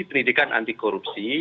penidikan anti korupsi